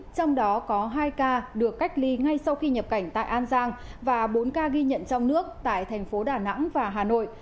trong đó có hai ca được cách ly ngay sau khi nhập cảnh tại an giang và bốn ca ghi nhận trong nước tại thành phố đà nẵng và hà nội